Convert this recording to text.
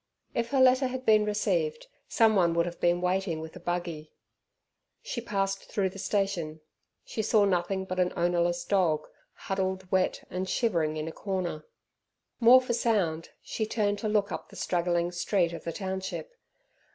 If her letter had been received, someone would have been waiting with a buggy. She passed through the station. She saw nothing but an ownerless dog, huddled, wet and shivering, in a corner. More for sound she turned to look up the straggling street of the township.